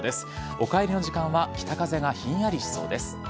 お帰りの時間は北風がひんやりしそうです。